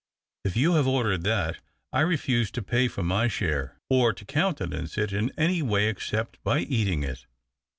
If you have ordered that, I refuse to pay for my share, or to countenance it in any way except by eating it."